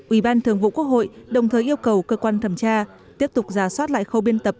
ủy ban thường vụ quốc hội đồng thời yêu cầu cơ quan thẩm tra tiếp tục giả soát lại khâu biên tập